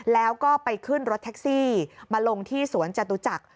แล้วก็ไปขึ้นรถแท็กซี่มาลงที่สวนจตุจักร